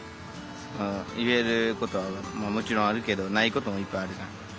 言えることもちろんあるけどないこともいっぱいあるじゃん。